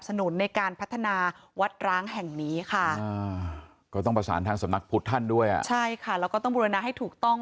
ถูกทิ้งเอาไว้